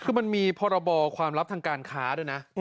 คือมันมีพรบความลับทางการค้าด้วยนะ